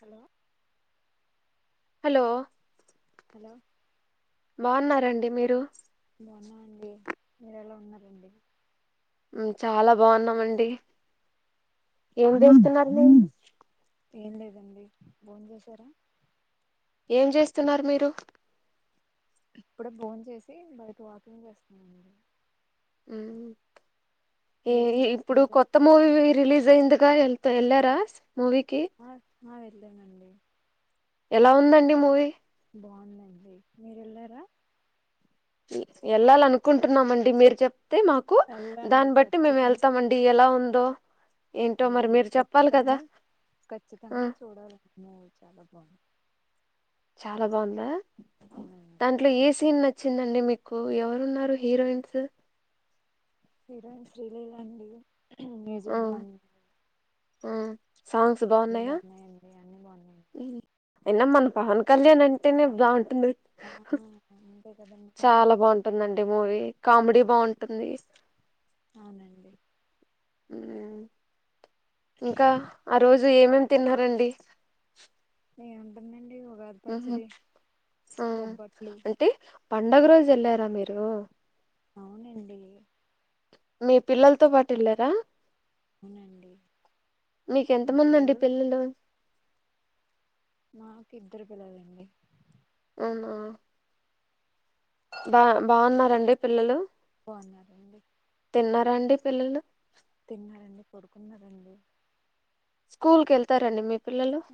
Hello hello hello బాన్నారండి మీరు బావున్నం అండి, మీరెలా ఉన్నరండి. ఉమ్ చాలా బావున్నామండి, ఏం దీంటున్నారు మీరు ఏం లేదండి బోన్ చేశారా. ఏం చేస్తున్నారు మీరు ఇప్పుడే భోన్ చేసి బయట వాకింగ్ చేస్సనండి. ఉమ్, ఏ మీరేం ఏ ఇప్పుడు చేస్తున్నారు కొత్త మూవీ రిలీజ్ అయింది కా ఎల్తే ఎల్లెర మూవీకి ఆ ఆ వెళ్ళానండి. ఎలా ఉందండి మూవీ బావుందండి మీరు ఎళ్ళారా ఎళ్ళాలి అనుకుంటున్నామండి మీరు చెప్ తే మాకు వెళ్ళండి దాన్ని బట్టి మేము వెళ్తాము అండి, ఎలా ఉన్ తో ఏలండి ఖచ్చితంగా ఆ ఖచ్చితంగా చూడాలనుకున్నా మూవీ చాలా బాగున్నా చాలా బాగుందా అవునండి దాంట్లో ఏ సీన్ నచ్చింది అండి అండి మీకు ఎవరున్నారు హీరోయిన్స్ విరాం శ్రీలీలా అండి ఉమ్ ఆ మ్యూజిక్ బాగుంది ఆ సాంగ్స్ అన్నీ బాగున్నాయా బాగున్నాయండి అన్ని బాగున్నాయండి అయినా మన పవన్ కళ్యాణ్ అంటేనే బాగుం ఆ హ ఆ హ చాలా బాగుంటుందండి మూవీ కామెడీ బాగుంటుంది అవునండి అ ఇంకా ఆ రోజు ఏమం తిన్నారండి ఏ ఉంటుందండి ఉహు ఆ బొబ్బట్లు అంటే పండుగ రోజు వెళ్లారా మీరు అవునండి మీ పిల్లలతో పాటు వెళ్ళరా అవునండి మీకెంత మంది అండి పిల్లలు మాకు ఇద్దరు పిల్లాలండి హలో బా బాగున్నారండి పిల్లలు బాగున్నారండి రండి పిల్లలు తిన్నారండి పడుకున్నారండి స్కూల్ కి వెళ్తారండి మీకు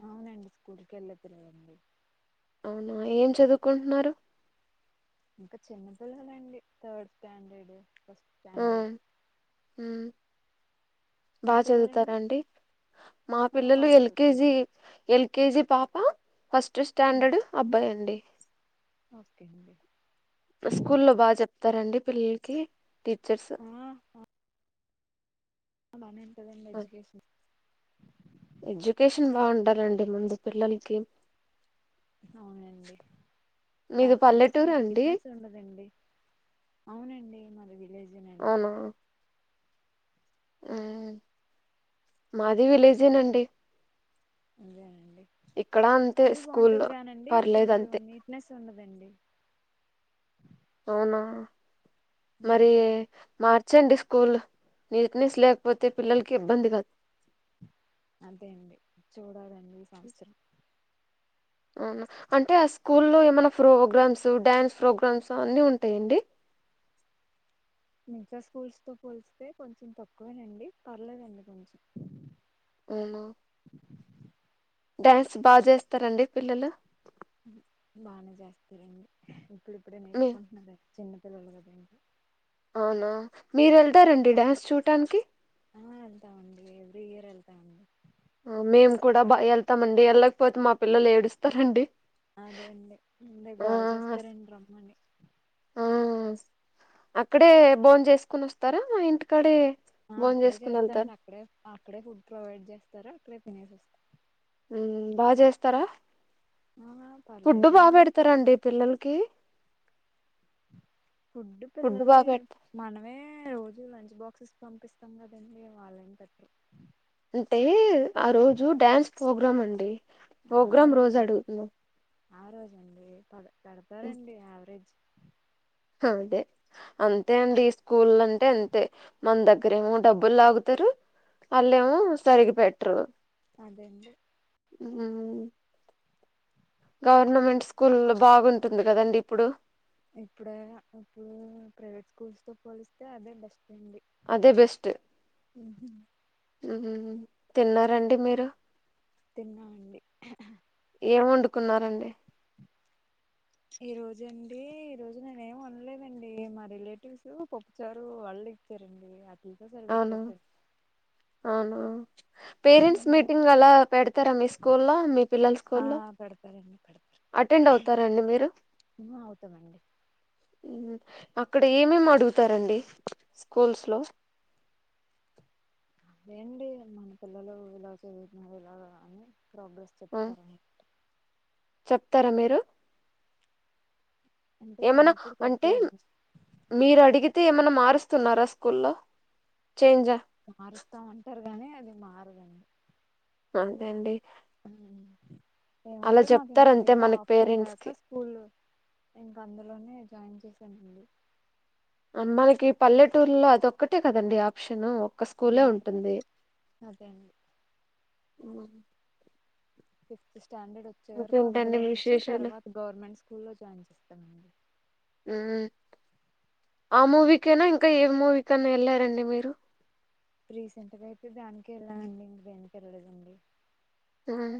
అవునండి స్కూల్కి వెళ్ళాతురుదండి అవునా ఏం చదువుకుంటున్నారు ఇంకా చిన్నపిల్లలండి థర్డ్ స్టాండర్డ్ ఫస్ట్ స్టాండడ్ హు బాగా పిల్లలండి చదువుతారంండి మా ఆ పిల్లలు బాగా చదువుతారు ఎల్కేజీ ఎల్ కేజి పాప ఫస్ట్ ఫస్ట్ ఉమ్, స్టాండర్డ్ అబ్బాయి అండి ఓకే అండి స్కూల్లో బాగా చెప్తారండి పిల్లలకి టీచర్స్ అలానండి ఎజుకేషన్ ఆ ఎడ్యుకేషన్ బాగుంటాలండి ముందు పిల్లలకి అవునండి మీది కాకపోతే పల్లెటూరు కొంచెం అండి ప్నెస్ ఉండదండి అవునండి రి విలేజ్ అవునా ఆ మాది విలేజేనండి అదేనండి ఇక్కడ అంతే స్కూల్ స్కూల్లో బాగుంటది కానండి పర్లేదు కొంచెం అంతే నీట్నెస్ ఉండదండి అవునా మరి ఉమ్, మార్చ్ చ్చండి స్కూల్ నీట్నెస్ లేకపోతే పిల్లలకి ఇబ్బంది కద్ అంతే అండి చూడాలండి ఈ సంవత్సరం అవును అంటే ఆ స్కూల్లో ఏమైనా ఫ్రోగ్రామ్స్ డ్యాన్స్ ఫ్రోగ్రామ్స్ అన్ని ఉంటాయండి ఇంకా స్కూల్స్ తో పోలిస్తతే కొంచెం తక్కువేనండి పర్లేదండి కొంచెం ఉనా డ్యాన్స్ బా జేస్తారండి పిల్లలు హ్ బానే జేస్తారండి ప్పుడు ఇప్పుడే మీ నేర్చుకుంట్నాడ చిన్నపిల్లలు గాదండి అవునా మీరెల్తారండి డ్యాన్స్ చూటానికి ఆ వెళ్తామండి ఎవ్రీ ఇయర్ వెళ్తా అండి ఆ మేము కూడా బా వెళ్తామండి వెళ్ళకపోతే మా పిల్లలు ఏడుస్తారండి అదే అండి ముందే ఆ గోల్ చేస్తారండి రమ్మని ఆ అక్కడే బోన్ చేసుకునోస్తారా ఇంటికాడే ఆ భోన్ అక్కడే చేసుకుని వెళ్తారు చేస్తండి అక్కడే అక్కడే ఫుడ్ ప్రొవైడ్ చేస్తారు అక్కడే తినేసోస్తం ఉమ్ బా జేస్తారా ఆ ఫుడ్ బా పర్లేదండి పెడతారండి పిల్లలకి ఫుడ్ బాగా పిల్లలది పెడత మనమే రోజు లంచ్ బాక్ క్సూస్ పంపిస్తాం కదండి వాళ్ళ ఇంతటి అంటే ఆ రోజు డ్యాన్స్ ప్రోగ్రాం అండి ప్రోగ్రాం రోజు అడుగుతున్నా ఆ రోజండి పద పెడతారండి యావరేజ్ అదే అంతే అండి ఈ స్కూల్ అంటే అంతే మన దగ్గరేమో డబ్బులు లాగుతారు వాళ్ళేమో సరిగి పెట్టరు అదేంనా డి హుమ్మ్ హూ గవర్నమెంట్ స్కూల్ల్లో బాగుంటుంది కదండి ఇప్పుడు ఇప్పుడ ఇప్పుడు ప్రైవేట్ స్కూల్స్ తో పోలిస్తే అదే బెస్ట్అండి అదే బెస్ట్ ఉహ తిన్నారండి మీరు తిన్నామండి ఏం వండుకున్నారండి ఈ రోజండి ఈ రోజు నేనే ఏమి ఉనలేదండి మా రిలేటివ్స్ పప్పుచారు వాళ్ళు ఇచ్చారండి వాటిలతో అవును సరిపెట్టేసారు అవును పేరెంట్స్ మీటింగ్ అలా పెడతారా మీ స్కూల్లో మీ పిల్లల ఆ స్కూల్లో పెడతారండి పెడతారు అటెండ్ అవుతారాండి మీరు అవుతామండి అక్కడ ఏమేమి అడుగుతారండి స్కూల్స్ లో అదేండి మన పిల్లలు ఇలా చదువుతున్నారు ఇలాగా అని ప్రాబ్స్ ఆ, చెప్తార అన్నట్ చెప్తారా మీరు అంటే నేను ఏమనా ఎప్పుడు అంటే చెప్పలేదండి మీరు అడిగి అయితే ఏమై మారుస్తున్నారా స్కూల్లో చేంజ్ అ మారుస్తామంటారు కాగానీ అది మారదండి అంతే అండి అ అలా ఏమంటే మాకు ఇంకా చెప్తారంతే వేరే మనకి ఆప్షన్ పేరెంట్స్ కి లేక స్కూల్ ఇంక అందులోనే జాయిన్ చేసానండి మనకి పల్లెటూర్లో అది ఒక్కటే కదండి ఆప్షను ఒక స్కూలే ఉమ్, ఉంటుంది అదే అండి అ అ స్టాండర్డ్ వచ్చే వరకు అందులో ఇంకేంటండి ఉంచి విశేషాలు తర్వాత గవర్నమెంట్ స్కూల్లో జాయిన్ చేస్తామండి మ్మ్ ఆ మూవీకైనా ఇంకా ఏ మూవీకన్నా వెళ్ళారండి మీరు రీసెంట్ గా అయితే దానికి వెళ్ళదండి ఇంకా దేనికి వెళ్ళదండి అహ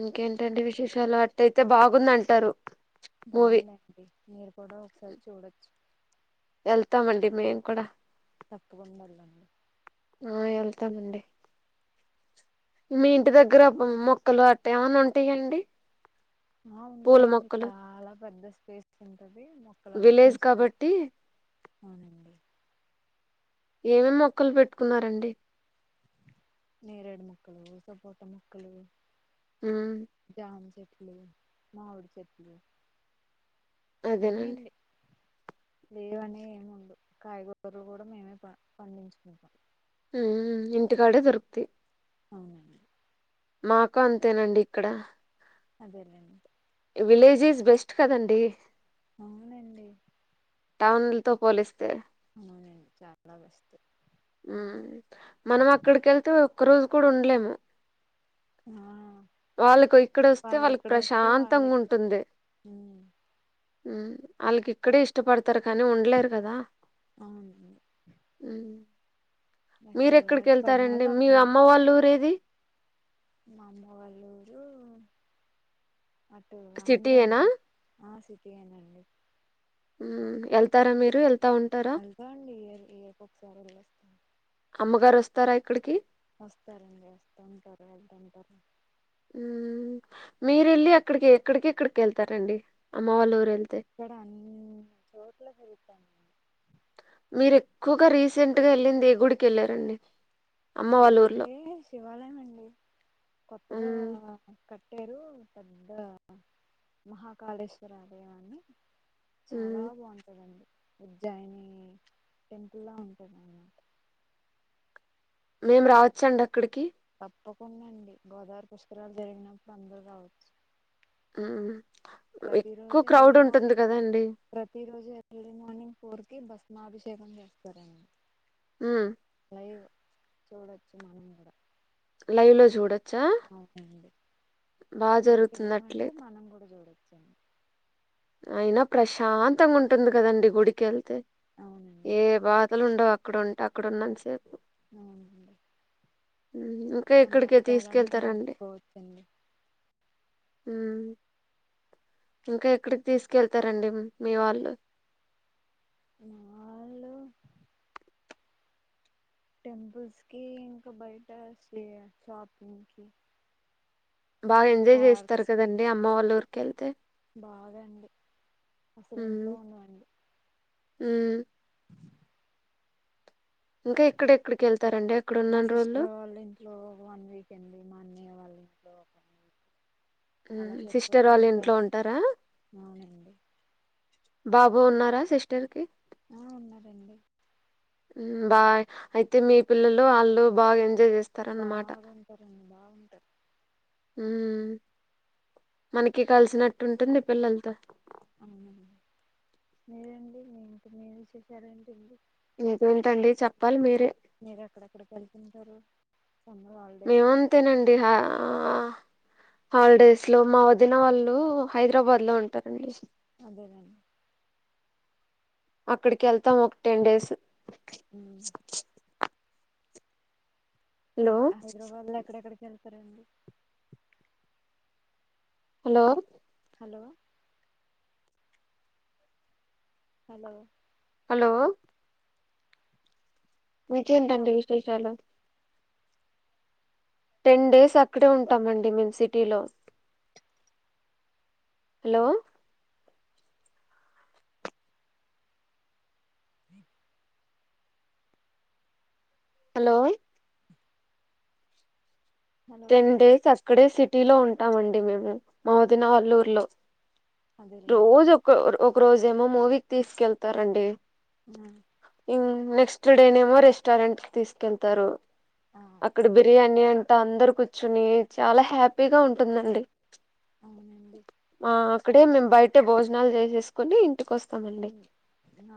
ఇంకేంటండి విశేషాలు అట్ట అయితే బాగుంది అంటారు [inaudible] కూడాడ ఒకసారి చూడచ్చు వెళ్తామండి మేము కూడా తప్పకుండా వెళ్ళండి ఆ వెళ్తానండి మీ ఇంటి దగ్గర మొక్కలు అట్ట ఏమన్నా ఉంటాయాండి ఆ ఉంటాయండి చాలా పెద్ద ఉంది మొక్కలన్నీ విలేజ్ పెంచుతారు కాబట్టి అవునండి ఏమేం మొక్కలు పెట్టుకున్నారండి నేరేడు మొక్కలు సపోట మొక్కలు హ్మ్ చె మావిడి చెట్లు అన్నీ అదేనండి అండి లేవనే ఏముండదూ కాయగూరలు కూడా మేమే పండించుకుంటాం హ్మ్ఇంటికాడే దొరుకుతయి అవునండి. మాకు అంతేనండి ఇక్కడ అదేలేండి విలేజెస్ బెస్ట్ కదండి అవునండి టౌన్ తో పోలిస్తే అవునండి చాలా బెస్ట్ ఉ మనం అక్కడికి వెళ్తే ఒక్క రోజు కూడా ఉండలేము ఆ వాళ్ళకు ఇక్కడ వస్తే వాళ్ళు వాళ్ళకి ఎక్కడ వస్తే వాళ్ళు ప్రశాంతంగా ఎక్కడ ఉంటుంది ఉమ్ వాళ్ళకి ఇక్కడే ఇష్టపడుతు తరకాని ఉండలేరు కదా అవునండి ఎక్కడ మీరూ ఎక్కడికి అలవాటు వెళ్తారండి పడినోళ్ళు మీ అక్కడే అమ్మ వాళ్ళ ఊరేది మా అమ్మ వాళ్ళ ఊరు అటు ఆంధ్ర సిటీయేనా అండి ఆ సిటి ఏ అండి వెళ్తారా మీరు ఉంటారా వెళ్తాం అండి ఇయర్ ఇయర్ ఒకసారి అమ్మగారు వస్తారా ఇక్కడికి వస్తారండి వస్తుంటారు వెళ్తుంటారు మీరెళ్ళి అక్కడికి ఎక్కడికి ఎక్కడికి ఎళ్తారండి అమ్మ వాళ్ళ ఊరు ఎల్ ఇక్కడ అన్ని చోట్ల తిరుగుతన్న మీరు ఎక్కువగా రీసెంట్ గా ఎళ్ళింది ఏ గుడికి వెళ్ళారండి అమ్మ వాళ్ళ ఊర్లో గుడికంటే శివ ఇవాలేమండి కొత్తగా మ్మ్ క పెట్టారు పెద్ద మహాకాళేశ్వర ఆలయాన్ని చాలా మ్మ్ బాగుంటాదండి ఉజ్జాయిని టెంపుల్లా ఉంటుంది అన్నమాట మేం రావచ్చండి అక్కడికి తప్పకుండా అండి గోదావరి పుష్కరాలు జరిగినప్పుడు అందరు రావచ్చు ఆ ప్రతి రోజే ఎర్లీ మార్నింగ్ కదండి ప్రతి రోజే ఎర్లీ మార్నింగ్ ఫోర్ కి భస్మాభిషేకం చేస్తారండి ఆ చూడొచ్చు మనం కూడా కూడా లైవ్ లో చూడొచ్చా అవునండి బాగా ఫోర్కి వెళ్ళామంటే జరుగుతున్నట్లయితే మనం కూడా చూడ చె అయినా ప్రశాంతంగా ఉంటుంది కదండడి గుడికి వెళ్తే అవునండి ఏ బాధలు ఉండవు అక్కడ ఉంటే అక్కడ ఉన్నాని సేపు అ మ్మ్ ఇంకా మన ఎక్కడికి కష్టాలన్నీ మర్చిపోవచ్చు హ ఇంకా ఎక్కడికి తీసుకెళ్తారండి మీ వాళ్ళు వాళ్ళు టెంపుల్స్ కి ఇంకా బయట స్ షాపింగ్ కి బాగా ఎంజాయ్ చేస్తారు పార్క్స్ కి కదండి అమ్మ వాళ్ళ ఊరిక వెళ్తే బాగా అండి అసలు ఇంట్లో ఉండమండి హ ఇంకా ఎక్కడెక్కడికి వెళ్తారండి అక్కడ మా ఉన్న రోజులు సిస్టర్ వాళ్ళు ఇంట్లో వన్ వీక్ అండి మా అన్నయ్య వాళ్ళు సిస్టర్ వాళ్ళు సరిపోతుంది ఇంట్లో టైం ఉంటారా అవునండి బాబా బో ఉన్నారా సిస్టర్ కి ఆ ఉన్నారండి బాయ్ అయితే మీ పిల్లలు వాళ్ళు బాగా ఎంజాయ్ చేస్త బాగుంటరడి బాగుంట అ మనకి కలిసినట్టు ఉంటుంది పిల్లలతో అవునండి మీరండి మీ ఇంటి మీ వి చేసారండి ఇడి ఇకేంటండి చెప్పాలి మీరే మీరు ఎక్కడెక్కడ వెళ్తుంటారు సమ్మర్ హాలిడేస్ కి హాలిడేస్ లో మా వదిన వాళ్ళు హైదరాబాద్ లో ఉంటారండి అదేనండి అక్కడికి వెళ్తాం ఒక టెన్ డేస్ ఉమ్. హలో హైద్రబాద్ ల ఎక్కడెక్కడికి కెళ్తరండి హలో హలో హలో హలో ఇంకెంటండి విశేషాలు టెన్ డేస్ అక్కడే ఉంటామండి మేము సిటీలో hello hello hello ten days అక్కడే సిట్ టీ లో ఉంటామండి మేము మ వదిన వాల ఊర్లో అదేలేండి రోజు ఒక ఒక రోజు ఏమో మూవీకి తీసుకెళ్తారండి హ్మ్ హ్మ్ నెక్స్ట్ డే నేమో రెస్టారెంట్ కి తీసుకెళ్తారు. ఆ అక్కడ బిర్యానీ అం టా అందరు కూర్చుని చాలా హ్యాపీగా ఉంటుందండి. అవునండి ఆ ఇక్కడే మేము బయట భోజనాలు చేసేసుకుని ఇంటికి వస్తాం. వస్తామండి ఉమ్,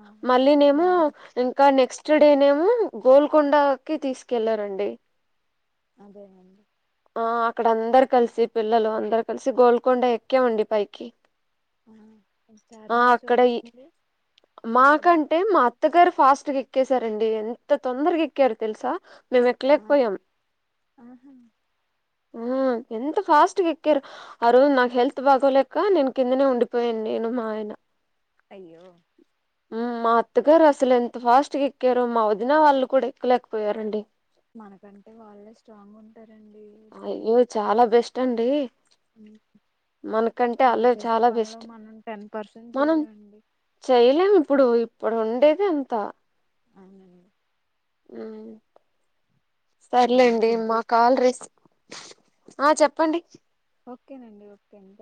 ఆ మళ్ళీ నేమో బాగుంటది ఇంకా నెక్స్ట్ చూడనేమో గోల్కొండకిి తీసుకెళ్లారండి అదేనండి ఆ అక్కడ అందరు కలిసి పిల్లలు అందరు కలిసి గోల్కొండ ఎక్కే ఉండి పైకి. ఆ ఆ చార్మినార్ అక్కడ చూడలేదండి చార్మినార్ మాకంటే మా అత్తగారు ఫాస్ట్ స్ట్ ఎక్కేసారండి ఎంత తొందర్ గేక్కర్ తెల్సా మేమ్ ఆ ఎక్కలేకపోయాం. ఆహా ఉహ్మ్ ఎంత ఫాస్ట్గా ఎక్కారు ఆ రోజు నాకు హెల్త్ బాగోలేక నేను కిందనే ఉండిపోయాను నేను మా ఆయన అయ్యో మ్మ్ మా అత్తగారు అసలు ఎంత ఫాస్ట్గా ఎక్కారో మా వదిన వాళ్ళు కూడా ఎక్కలేకపోయారండి. మనకంటే వాళ్ళే స్ట్రాంగ్ ఉం అయ్యో చాలా బెస్ టండి ఉమ్, మనకంటే వాళ్ళు అల్లు చేసే చాలా పనిలో బెస్ట్ మనం టెన్ పర్సెంట్ మనం చేయలేమండి చేయలేం ఇప్పుడు ప్పుడు ఉండేది అంత [unintelligible] ఉమ్ వాళ్ళ సర్లేండి ఫుడ్ మా కాల్ రిస్ ఆ చెప్పండి ఓకే అండి ఓకే అండి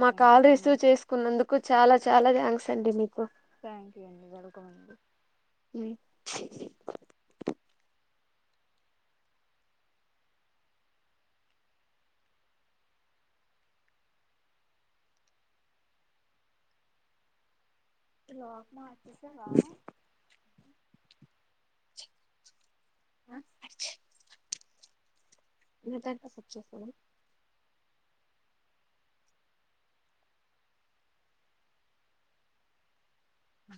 మా thank you call so receive much చేసుకున్నందుకు చాలా చాలా థ్యాంక్స అండి మీకు థ్యాంక్ యూ అండి వెల్కమ్ అండి ఉమ్ లోక్ మార్చెసవా ఆ అచి ఇతంత సచ్చేస్తు ఆ